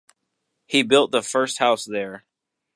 He built the first house there.